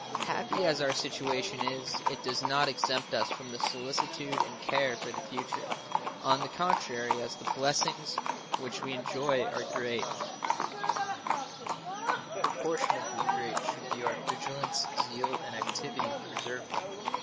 Happy as our situation is, it does not exempt us from solicitude and care for the future. On the contrary, as the blessings which we enjoy are great, proportionably great should be our vigilance, zeal, and activity to preserve them.